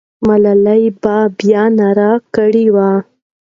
ملالۍ به بیا ناره کړې وه.